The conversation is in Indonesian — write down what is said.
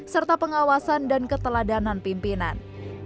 serta pengawasan dan keteladanan pimpinan